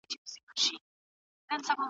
دا د چاپیریال لپاره مثبت بدلون رامنځته کوي.